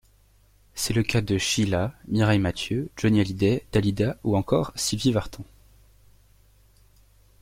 C'est le cas de Sheila, Mireille Mathieu, Johnny Hallyday, Dalida ou encore Sylvie Vartan.